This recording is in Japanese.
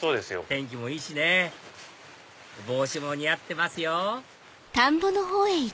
天気もいいしね帽子も似合ってますよ